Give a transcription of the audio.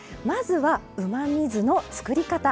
まずはうまみ酢の作り方